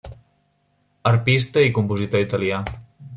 Arpista i compositor italià.